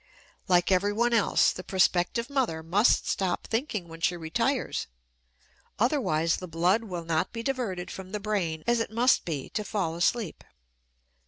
Like everyone else, the prospective mother must stop thinking when she retires, otherwise the blood will not be diverted from the brain as it must be to fall asleep.